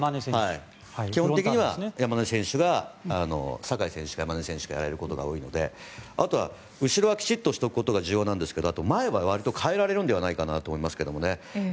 基本的には酒井選手が山根選手がやれることが多いので後ろはきちっとしておくことが重要なんですけどあと、前は割と変えられるのではと思いますけどね。